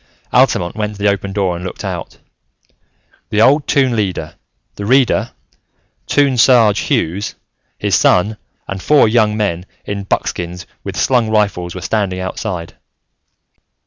Altamont went to the open door and looked out. The old Toon Leader, the Reader, Toon Sarge Hughes, his son and four young men in buckskins with slung rifles were standing outside.